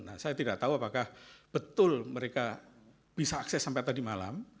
nah saya tidak tahu apakah betul mereka bisa akses sampai tadi malam